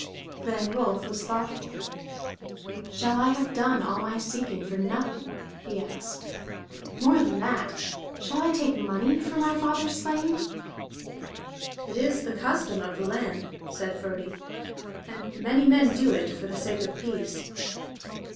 Then Rolf was thoughtful. "Shall I have done all my seeking for nothing?" he asked. "More than that, shall I take money for my father's slaying?" "It is the custom of the land," said Frodi, "and many men do it for the sake of peace."